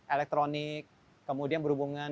elektronik kemudian berhubungan